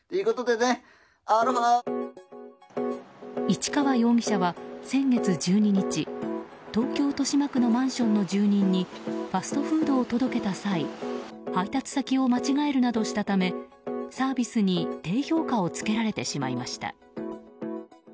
市川容疑者は先月１２日東京・豊島区のマンションの住人にファストフードを届けた際配達先を間違えるなどしたためサービスに低評価をつけられてしまいました。